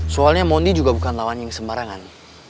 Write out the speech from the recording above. soalnya mony juga bukan lawan yang sembarangan